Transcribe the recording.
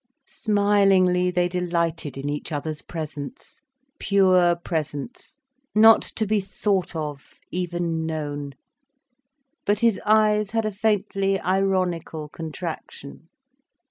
Smilingly they delighted in each other's presence, pure presence, not to be thought of, even known. But his eyes had a faintly ironical contraction.